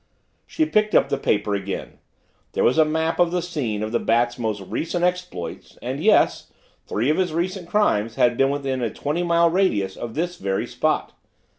She picked up the paper again. There was a map of the scene of the Bat's most recent exploits and, yes, three of his recent crimes had been within a twenty mile radius of this very spot.